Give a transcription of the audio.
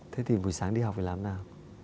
thế thì buổi sáng đi học thì làm thế nào